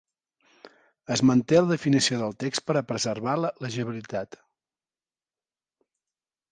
Es manté la definició del text per a preservar la llegibilitat.